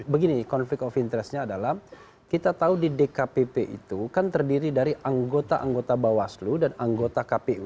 begini conflict of interestnya adalah kita tahu di dkpp itu kan terdiri dari anggota anggota bawaslu dan anggota kpu